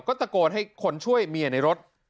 ก็ตะโกนให้คนช่วยเมียในรถ